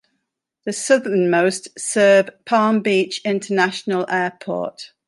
The southernmost serve Palm Beach International Airport.